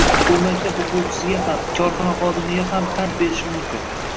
U maktab o‘quvchisiga ham, korxona xodimiga ham pand berishi mumkin